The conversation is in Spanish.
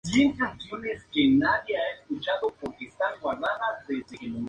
Con lo anterior, se afianza la idea de la autonomía de la universidad.